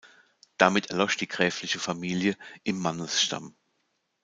Damit erlosch die gräfliche Familie im Mannesstamm.